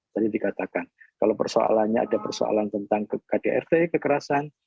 tadi dikatakan kalau persoalannya ada persoalan tentang kdrt kekerasan